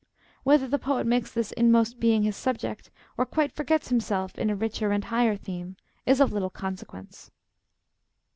Whether the poet makes this inmost being his subject, or quite forgets himself in a richer and higher theme, is of little consequence.